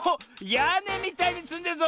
やねみたいにつんでるぞ！